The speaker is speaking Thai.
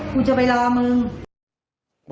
กูจะไปรอมึง